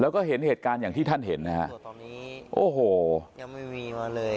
แล้วก็เห็นเหตุการณ์อย่างที่ท่านเห็นนะฮะโอ้โหยังไม่มีมาเลย